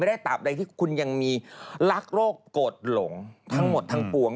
ได้ตามใดที่คุณยังมีรักโรคโกรธหลงทั้งหมดทั้งปวง